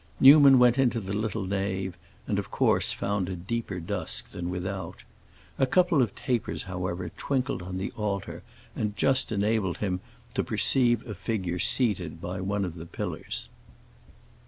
Newman went into the little nave and of course found a deeper dusk than without. A couple of tapers, however, twinkled on the altar and just enabled him to perceive a figure seated by one of the pillars.